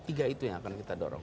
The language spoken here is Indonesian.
tiga itu yang akan kita dorong